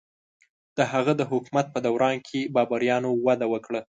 د هغه د حکومت په دوران کې بابریانو وده وکړه.